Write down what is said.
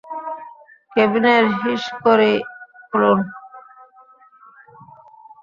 কেবিনের হিসকেড়ি খুলুন!